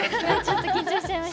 緊張しちゃいました。